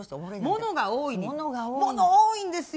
物、多いんですよ。